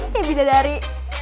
ya beda dari